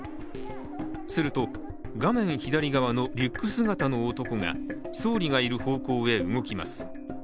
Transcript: すると画面左側のリュック姿の男が総理がいる方向へ動きます。